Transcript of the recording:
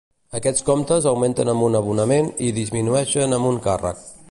Aquests comptes augmenten amb un abonament i disminueixen amb un càrrec.